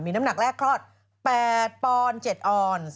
น้ำหนักแรกคลอด๘ปอนด์๗ออน